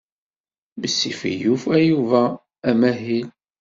Bessif i yufa Yuba amahil.